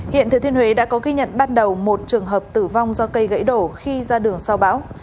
hiện thừa thiên huế đã có ghi nhận ban đầu một trường hợp tử vong do cây gãy đổ khi ra đường sau bão